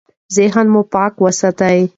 ذهن مو پاک وساتئ.